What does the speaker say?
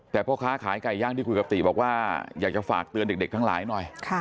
แต่พ่อค้าขายไก่ย่างที่คุยกับติบอกว่าอยากจะฝากเตือนเด็กทั้งหลายหน่อย